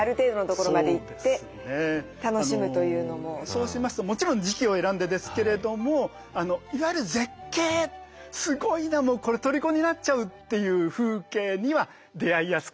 そうしますともちろん時期を選んでですけれどもいわゆる絶景「すごいなもうこれとりこになっちゃう」という風景には出会いやすくなると思います。